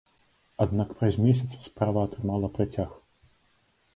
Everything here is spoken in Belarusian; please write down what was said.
Аднак праз месяц справа атрымала працяг.